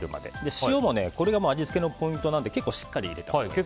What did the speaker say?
塩もこれが味付けのポイントなので結構しっかり入れてあげて。